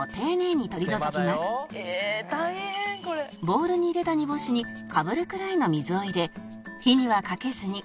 ボウルに入れた煮干しにかぶるくらいの水を入れ火にはかけずに